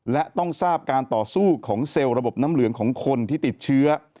และต้องทราบการต่อสู้ของเซลล์ระบบน้ำเหลืองของคนที่ติดเชื้อ